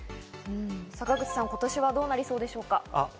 坂口さん、今年はどうなりそうでしょうか？